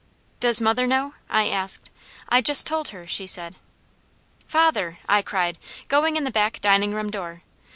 "Does mother know?" I asked. "I just told her," she said. "Father," I cried, going in the back dining room door.